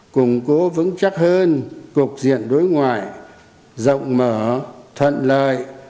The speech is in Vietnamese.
củng cố vững chắc hơn cục diện đối ngoại rộng mở thuận lợi